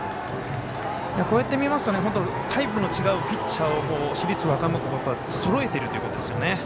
こうやって見ますとタイプの違うピッチャーを市立和歌山はそろえているということですよね。